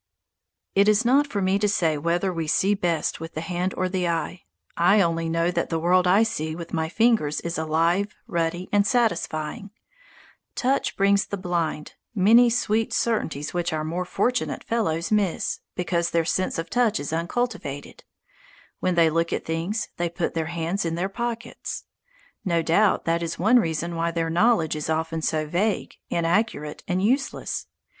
It is not for me to say whether we see best with the hand or the eye. I only know that the world I see with my fingers is alive, ruddy, and satisfying. Touch brings the blind many sweet certainties which our more fortunate fellows miss, because their sense of touch is uncultivated. When they look at things, they put their hands in their pockets. No doubt that is one reason why their knowledge is often so vague, inaccurate, and useless.